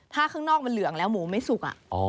ถ้าข้างนอกมันเหลืองแล้วหมูไม่สุก